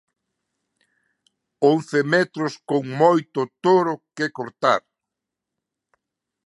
Once metros con moito toro que cortar.